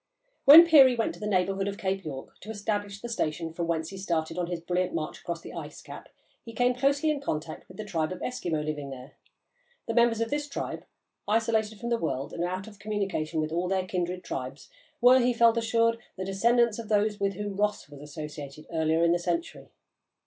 When Peary went to the neighbourhood of Cape York to establish the station from whence he started on his brilliant march across the ice cap, he came closely in contact with the tribe of Eskimo living there. The members of this tribe, isolated from the world and out of communication with all their kindred tribes, were, he felt assured, the descendants of those with whom Ross was associated earlier in the century.